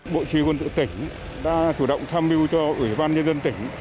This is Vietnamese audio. bộ trí quân tự tỉnh đã chủ động tham mưu cho ủy ban nhân dân tỉnh